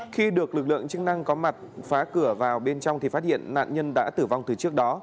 khi được lực lượng chức năng có mặt phá cửa vào bên trong thì phát hiện nạn nhân đã tử vong từ trước đó